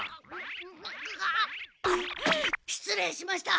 しつ礼しました！